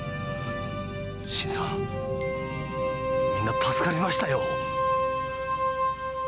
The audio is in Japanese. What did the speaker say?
新さんみんな助かりましたよ！